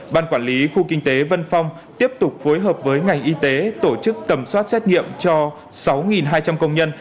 ban quản lý khu kinh tế vân phong tiếp tục phối hợp với ngành y tế tổ chức tẩm soát xét nghiệm cho sáu hai trăm linh công nhân